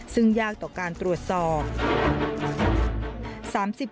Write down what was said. ซึ่งยากต่อการตรวจสอบ